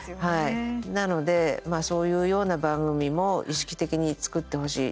なので、そういうような番組も意識的に作ってほしい。